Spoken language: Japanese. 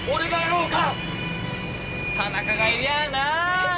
田中がいりゃあなあ。